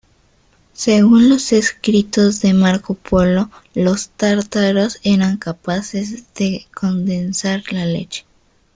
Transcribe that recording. Según los escritos de Marco Polo, los tártaros eran capaces de condensar la leche.